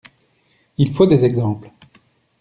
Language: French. Il faut des exemples.